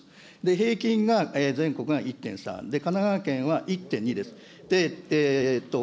平均が、全国が１．３、神奈川県は１．２です。